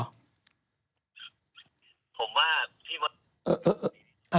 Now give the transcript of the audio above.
ผมว่า